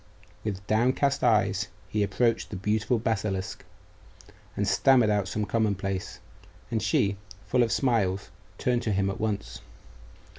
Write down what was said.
With downcast eyes he approached the beautiful basilisk, and stammered out some commonplace; and she, full of smiles, turned to him at once.